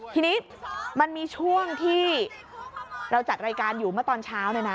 ทีนี้มันมีช่วงที่เราจัดรายการอยู่เมื่อตอนเช้าเนี่ยนะ